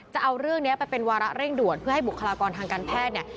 จะเอาเรื่องนี้ไปเป็นวาระเร่งด่วนเพื่อให้บุคลากรทางการแพทย์เนี่ย